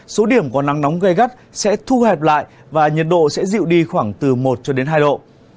số điểm có nắng nóng gai gắt sẽ thu hẹp lại và nhiệt độ sẽ dịu đi khoảng từ một hai độ